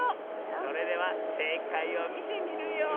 それではせいかいをみてみるよ。